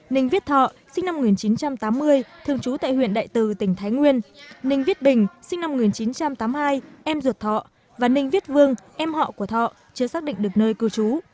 ninh viết thọ sinh năm một nghìn chín trăm tám mươi thường trú tại huyện đại từ tỉnh thái nguyên ninh bình sinh năm một nghìn chín trăm tám mươi hai em ruột thọ và ninh viết vương em họ của thọ chưa xác định được nơi cư trú